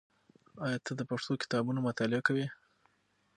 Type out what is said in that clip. آیا ته د پښتو کتابونو مطالعه کوې؟